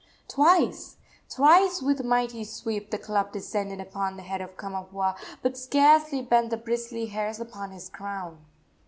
Twice, thrice with mighty sweep the club descended upon the head of Kamapuaa, but scarcely bent the bristly hairs upon his crown.